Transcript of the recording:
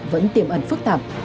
vẫn tiềm ẩn phức tạp